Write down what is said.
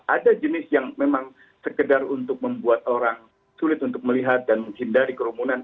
ada jenis yang memang sekedar untuk membuat orang sulit untuk melihat dan menghindari kerumunan